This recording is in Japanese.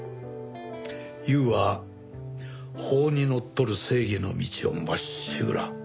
悠は法にのっとる正義の道をまっしぐら。